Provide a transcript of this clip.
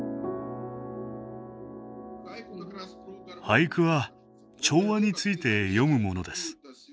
俳句は調和について詠むものです。